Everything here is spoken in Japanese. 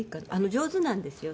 上手なんですよ。